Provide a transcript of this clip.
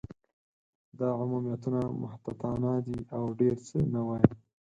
دا عمومیتونه محتاطانه دي، او ډېر څه نه وايي.